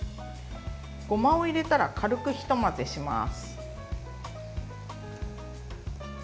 ごまを入れたら軽くひと混ぜします。